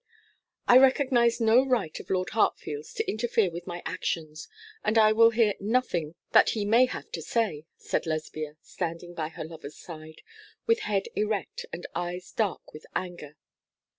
'I recognise no right of Lord Hartfield's to interfere with my actions, and I will hear nothing that he may have to say,' said Lesbia, standing by her lover's side, with head erect and eyes dark with anger.